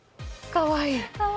かわいい。